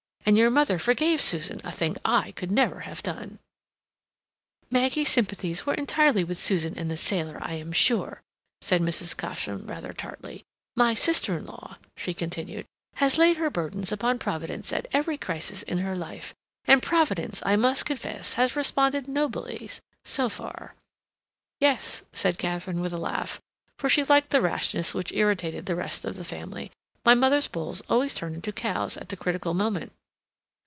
And your mother forgave Susan—a thing I could never have done." "Maggie's sympathies were entirely with Susan and the sailor, I am sure," said Mrs. Cosham, rather tartly. "My sister in law," she continued, "has laid her burdens upon Providence at every crisis in her life, and Providence, I must confess, has responded nobly, so far—" "Yes," said Katharine, with a laugh, for she liked the rashness which irritated the rest of the family. "My mother's bulls always turn into cows at the critical moment."